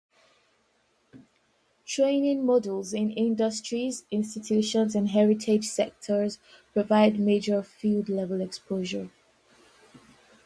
Training modules in industries, institutions and heritage sectors provide major field level exposure.